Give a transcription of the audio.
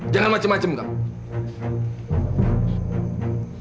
jangan macem macem kamu